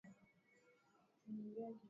Safisha viazi lishe kwa maji masafi